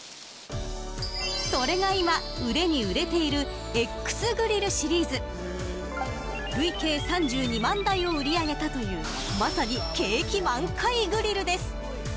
それが今売れに売れているＸＧＲＩＬＬシリーズ。累計３２万台を売り上げたというまさに、景気満開グリルです。